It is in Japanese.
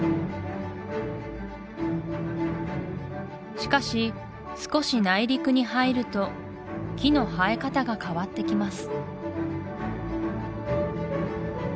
しかし少し内陸に入ると木の生え方が変わってきます